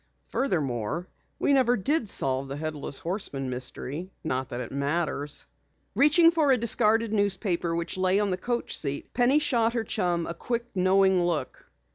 Furthermore, we never did solve the Headless Horseman mystery not that it matters." Reaching for a discarded newspaper which lay on the coach seat, Penny shot her chum a quick, knowing look.